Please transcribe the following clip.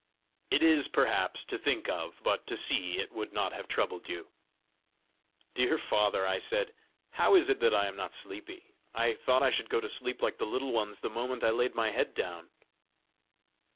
"It is, perhaps, to think of; but to see it would not have troubled you." "Dear father," I said, "how is it that I am not sleepy? I thought I should go to sleep like the Little Ones the moment I laid my head down!"